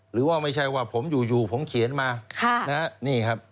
หรือว่าไม่ใช่ว่าผมอยู่ผมเขียนมานี่ครับ